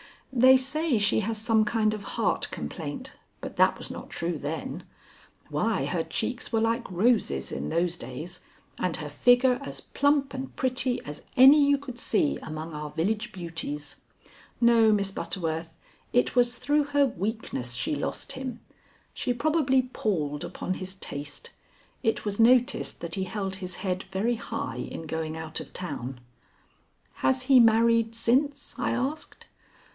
They say she has some kind of heart complaint, but that was not true then. Why, her cheeks were like roses in those days, and her figure as plump and pretty as any you could see among our village beauties. No, Miss Butterworth, it was through her weakness she lost him. She probably palled upon his taste. It was noticed that he held his head very high in going out of town." "Has he married since?" I asked.